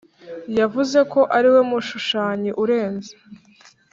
yavuze ko ariwe mushushanyi urenze